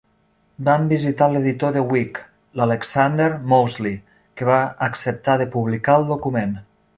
Van visitar l'editor de Whig, l'Alexander Mosely, que va acceptar de publicar el document.